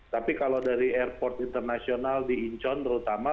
tapi kalau dari airport internasional di incheon terutama